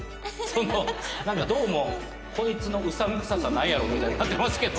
そのなんかどうもこいつのうさんくささなんやろみたいになってますけど。